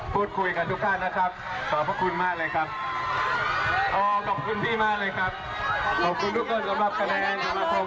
ขอบคุณทุกคนสำหรับคะแนนสำหรับคนไว้วางใจที่มีในทุกคนนะครับ